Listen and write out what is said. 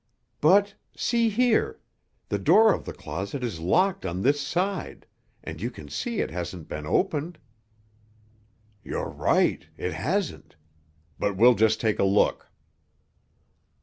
"But—see here! The door of the closet is locked on this side, and you can see it hasn't been opened." "You're right—it hasn't! But we'll just take a look!"